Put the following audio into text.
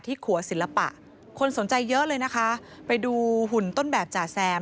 ขัวศิลปะคนสนใจเยอะเลยนะคะไปดูหุ่นต้นแบบจ่าแซม